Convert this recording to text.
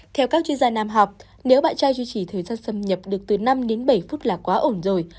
theo các chuyên gia nam học nếu bạn trai duy trì thời gian xâm nhập được từ năm đến bảy phút là quá ổn rồi